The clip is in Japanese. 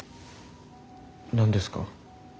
何ですか？